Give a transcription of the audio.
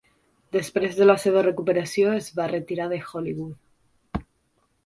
Després de la seva recuperació es va retirar de Hollywood.